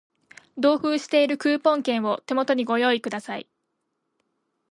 同封しているクーポン券を手元にご用意ください